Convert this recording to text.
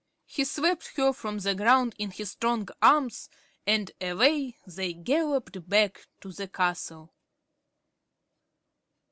He swept her from the ground in his strong arms, and away they galloped back to the castle.